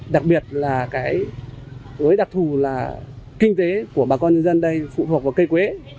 đặc biệt là cái với đặc thù là kinh tế của bà con nhân dân đây phụ thuộc vào cây quế